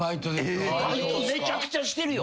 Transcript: バイトめちゃくちゃしてるよ。